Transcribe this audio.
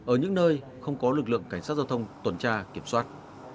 ở những nơi không có lực lượng cảnh sát giao thông tuần tra kiểm soát